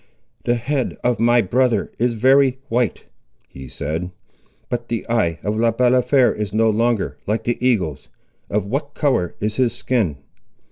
"The head of my brother is very white," he said; "but the eye of Le Balafré is no longer like the eagle's. Of what colour is his skin?"